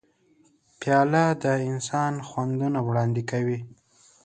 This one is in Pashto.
پیاله د انسان خوندونه وړاندې کوي.